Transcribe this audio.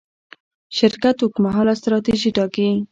شرکت اوږدمهاله ستراتیژي ټاکي.